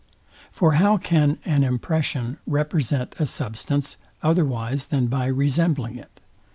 For how can an impression represent a substance, otherwise than by resembling it?